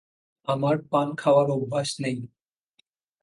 আমার পান খাওয়ার অভ্যাস নেই।